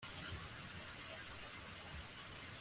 rugeyo azaba atwaye imodoka anyuze i boston agiye gusura gashinzi